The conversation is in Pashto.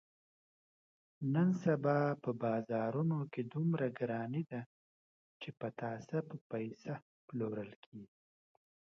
نن سبا په بازارونو کې دومره ګراني ده، چې پتاسه په پیسه پلورل کېږي.